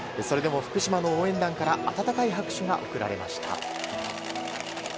それでも福島の応援団から温かい拍手が送られました。